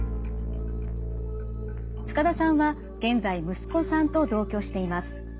塚田さんは現在息子さんと同居しています。